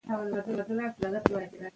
ماشومان باید له تاوتریخوالي ساتل سي.